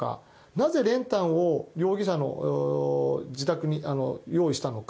なぜ、練炭を容疑者の自宅に用意したのか。